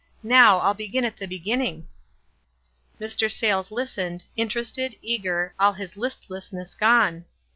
Now, I'll begin at the be ginning." Mr. Sayles listened, interested, eager, all his listlessness gone.